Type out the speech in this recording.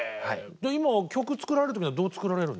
今は曲を作られる時にはどう作られるんですか？